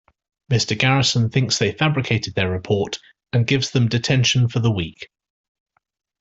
Mr. Garrison thinks they fabricated their report and gives them detention for the week.